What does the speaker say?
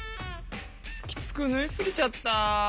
きつくぬいすぎちゃった。